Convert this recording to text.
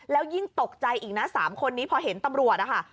แล้วยิ่งตกใจอีกนะ๓คนนี้พอเห็นตำรวจนะคะ